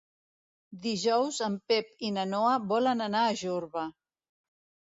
Dilluns en Pep i na Noa volen anar a Jorba.